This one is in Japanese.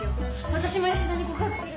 私も吉田に告白する！